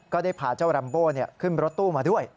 ก็ได้พาเจ้ารัมโบ้ขึ้นรถตู้มาด้วย